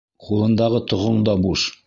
Ҡулындағы тоғоң да буш.